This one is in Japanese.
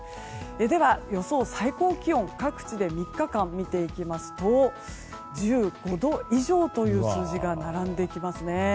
では、予想最高気温各地で３日間見ていきますと１５度以上という数字が並んできますね。